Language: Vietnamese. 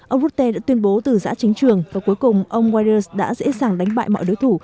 ông rutte đã tuyên bố từ giã chính trường và cuối cùng ông widers đã dễ dàng đánh bại mọi đối thủ